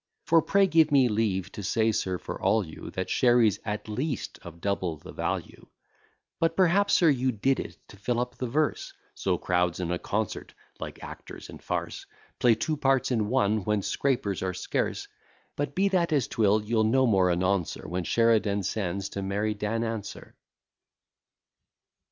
For pray give me leave to say, sir, for all you, That Sherry's at least of double the value. But perhaps, sir, you did it to fill up the verse; So crowds in a concert (like actors in farce) Play two parts in one, when scrapers are scarce. But be that as 'twill, you'll know more anon, sir, When Sheridan sends to merry Dan answer.